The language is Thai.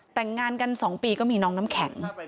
แต่งงานกัน๒ปีก็มีน้องน้ำแข็ง